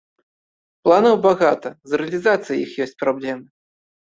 Планаў багата, з рэалізацыяй іх ёсць праблемы.